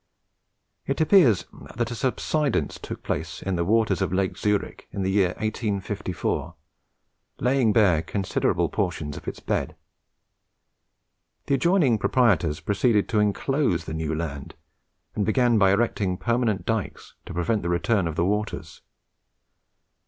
It appears that a subsidence took place in the waters of the Lake of Zurich in the year 1854, laying bare considerable portions of its bed. The adjoining proprietors proceeded to enclose the new land, and began by erecting permanent dykes to prevent the return of the waters.